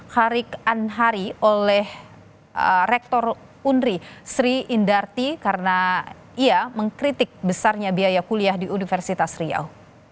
harik anhari oleh rektor unri sri indarti karena ia mengkritik besarnya biaya kuliah di universitas riau